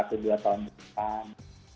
satu dua tahun depan